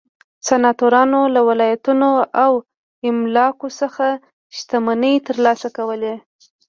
سناتورانو له ولایتونو او املاکو څخه شتمنۍ ترلاسه کولې.